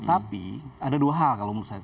tapi ada dua hal kalau menurut saya